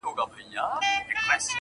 دوو وروڼو جنګ وکړ، کم عقلو باور په وکړ -